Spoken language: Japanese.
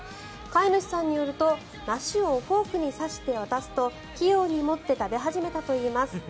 飼い主さんによると梨をフォークに刺して渡すと器用に持って食べ始めたといいます。